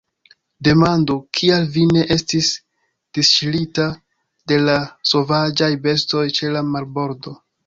Demandu, kial vi ne estis disŝirita de la sovaĝaj bestoj ĉe la marbordo.